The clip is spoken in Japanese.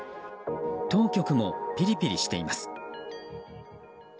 当局もピリピリしています。